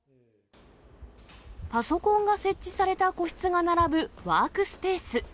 パソコンが設置された個室が並ぶワークスペース。